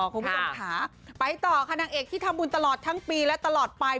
คุณผู้ชมค่ะไปต่อค่ะนางเอกที่ทำบุญตลอดทั้งปีและตลอดไป